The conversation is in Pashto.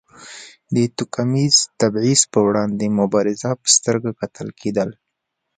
د توکمیز تبیض پر وړاندې مبارز په سترګه کتل کېدل.